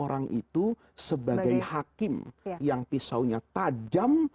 orang itu sebagai hakim yang pisaunya tajam